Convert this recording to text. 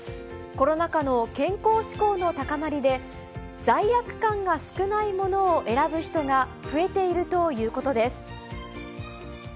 コロナ禍の健康志向の高まりで、罪悪感が少ないものを選ぶ人が増えているということです。